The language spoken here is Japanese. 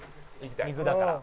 肉だから」